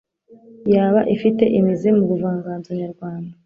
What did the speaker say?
yaba ifite imizi mu buvanganzo nyarwanda